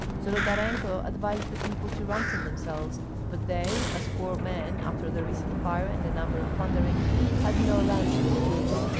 Zolotarenko advised the people to ransom themselves; but they, as poor men after the recent fire and a number of plunderings, had no ransom to give.